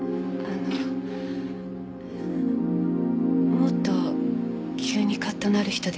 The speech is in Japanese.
もっと急にカッとなる人です。